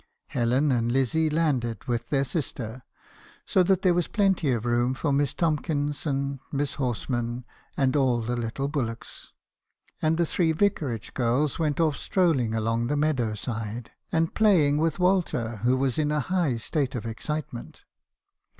Helen and Lizzie landed with their sister, so that there was plenty of room for Miss Tomkinson, Miss Horsman, and all the little Bullocks; and the three vicarage girls went off strolling along the meadow side, and playing with^ Walter who was in a high state of excite ment.